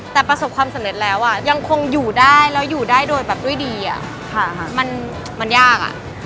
แต่ประสบความสำเร็จแล้วยังคงอยู่ได้แล้วอยู่ได้โดยแบบด้วยดีมันยากอ่ะ